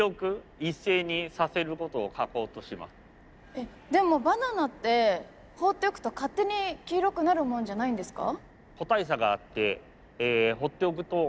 えっでもバナナってほっておくと勝手に黄色くなるもんじゃないんですか？